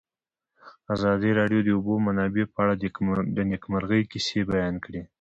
ازادي راډیو د د اوبو منابع په اړه د نېکمرغۍ کیسې بیان کړې.